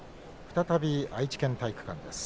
再び、愛知県体育館です。